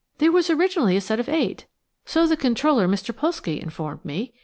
"There was originally a set of eight, so the comptroller, Mr. Pulszky, informed me.